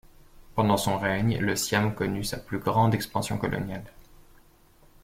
Pendant son règne, le Siam connut sa plus grande expansion coloniale.